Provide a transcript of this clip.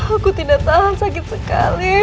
aku tidak tahan sakit sekali